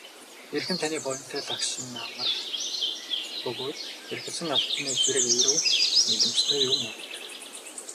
Эрхэм таны буянтай лагшин амар бөгөөд эрхэлсэн албаны хэрэг эергүү нийлэмжтэй юун өгүүлэх.